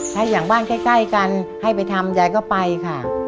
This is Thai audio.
ถ้าอย่างบ้านใกล้กันให้ไปทำยายก็ไปค่ะ